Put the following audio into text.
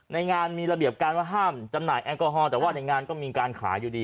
ในงานมีระเบียบการว่าห้ามจำหน่ายแอลกอฮอลแต่ว่าในงานก็มีการขายอยู่ดี